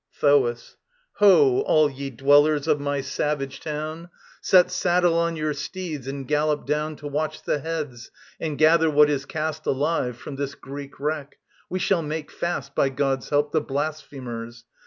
THOAS. Ho, all ye dwellers of my savage town Set saddle on your steeds, and gallop down To watch the heads, and gather what is cast Alive from this Greek wreck. We shall make fast, By God's help, the blasphemers.